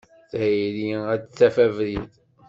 Tayri ad d-taf abrid.